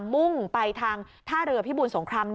มุ่งไปทางท่าเรือพิบูรสงคราม๑